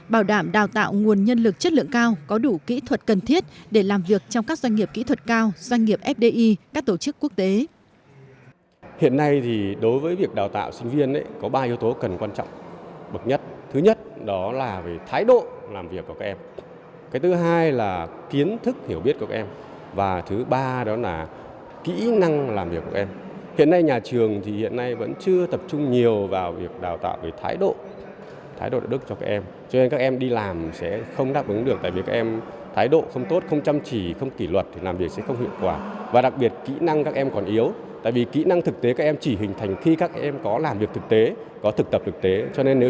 bảo đảm đào tạo nguồn nhân lực chất lượng cao có đủ kỹ thuật cần thiết để làm việc trong các doanh nghiệp kỹ thuật cao doanh nghiệp fdi các tổ chức quốc tế